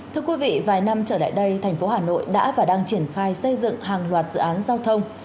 thưa quý vị vài năm trở lại đây thành phố hà nội đã và đang triển khai xây dựng hàng loạt dự án giao thông